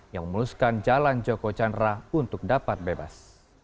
yang memuluskan jalan joko chandra untuk dapat bebas